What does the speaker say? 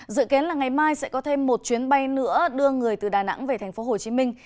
dự kiến là ngày mai sẽ có thêm một chuyến bay nữa đưa người từ đà nẵng về thành phố hồ chí minh